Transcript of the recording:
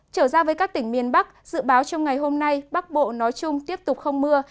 trở ra với các tỉnh miền bắc dự báo trong ngày hôm nay bắc bộ nói chung tiếp tục không mưa